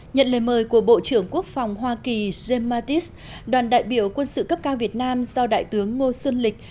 nhận lời mời của bộ trưởng quốc phòng hoa kỳ james mattis đoàn đại biểu quân sự cấp cao việt nam do đại tướng ngô xuân lịch